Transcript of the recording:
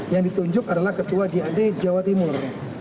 yang ditunjuk adalah ketua jad jawa timur